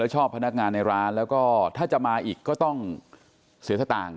ชอบพนักงานในร้านแล้วก็ถ้าจะมาอีกก็ต้องเสียสตางค์